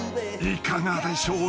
［いかがでしょう？